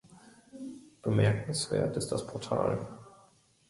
Bemerkenswert ist das Portal.